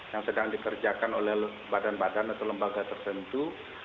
yang sedang dikerjakan oleh badan badan atau lembaga tertentu